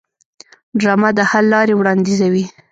ډرامه د حل لارې وړاندیزوي